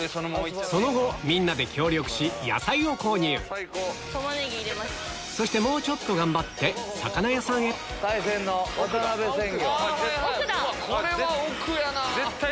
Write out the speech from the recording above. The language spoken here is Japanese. その後みんなで協力し野菜を購入そしてもうちょっと頑張って魚屋さんへ海鮮の渡辺鮮魚。